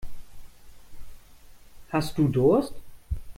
Hast du Durst?